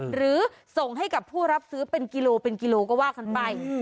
หรือส่งให้กับผู้รับซื้อเป็นกิโลเป็นกิโลก็ว่ากันไป